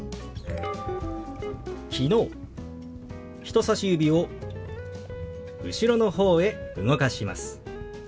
人さし指を後ろの方へ動かします。